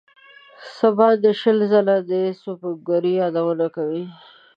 څه باندې شل ځله د سُبکري یادونه کوي.